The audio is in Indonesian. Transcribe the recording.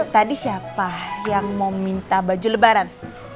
tadi siapa yang mau minta baju lebaran